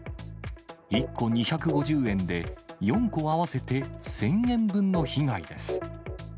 １個２５０円で、４個合わせて１０００円分の被害です。